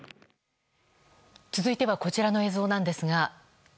続いてはこちらの映像なんですが。